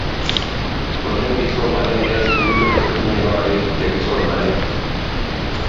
ole kisomane eng sukulit kotinye korik che kisomane